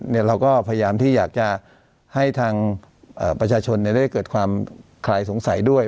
เราก็พยายามที่อยากจะให้ทางประชาชนได้เกิดความคลายสงสัยด้วย